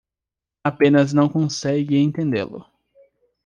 Apenas não consegue entendê-lo